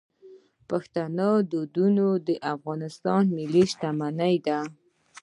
پښتني دودونه د افغانستان ملي شتمني ده.